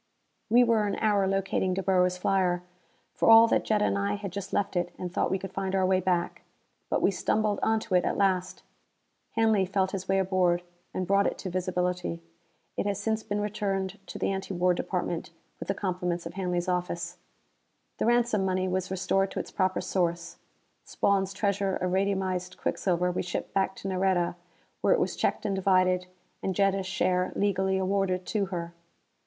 We were an hour locating De Boer's flyer, for all that Jetta and I had just left it and thought we could find our way back. But we stumbled onto it at last. Hanley felt his way aboard and brought it to visibility. It has since been returned to the Anti War Department, with the compliments of Hanley's Office. The ransom money was restored to its proper source. Spawn's treasure of radiumized quicksilver we shipped back to Nareda, where it was checked and divided, and Jetta's share legally awarded to her.